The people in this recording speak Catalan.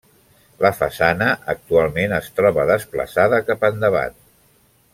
La façana actualment es troba desplaçada cap endavant.